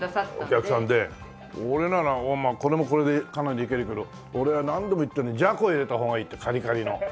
俺ならこれもこれでかなりいけるけど俺は何度も言ってるじゃこを入れた方がいいってカリカリの。